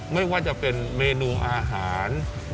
ไม่ว่าจะเป็นเมนูอาหาร